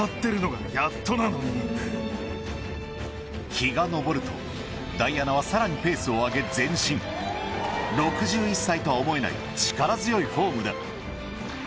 日が昇るとダイアナはさらにペースを上げ前進６１歳とは思えない力強いフォームだ